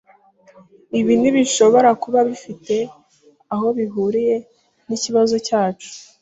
Ibi ntibishobora kuba bifite aho bihuriye nikibazo cyacu.